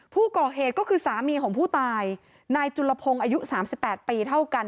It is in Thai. ผู้ก่อเหตุก็คือสามีของผู้ตายนายจุลพงศ์อายุ๓๘ปีเท่ากัน